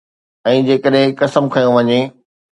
۽ جيڪڏھن قسم کنيو وڃي